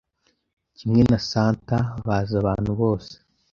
Kimwe na Santa, baza abantu bose